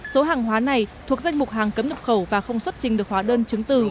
số hàng hóa này thuộc danh mục hàng cấm nhập khẩu và không xuất trình được hóa đơn chứng từ